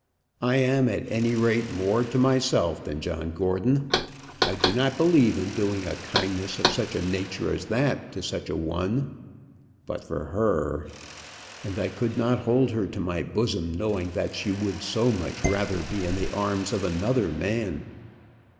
I am, at any rate, more to myself than John Gordon. I do not believe in doing a kindness of such a nature as that to such a one. But for her ! And I could not hold her to my bosom, knowing that she would so much rather be in the arms of another man."